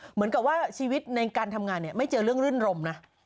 เหมือนกับว่าชีวิตในการทำงานเนี่ยไม่เจอเรื่องรื่นรมนะ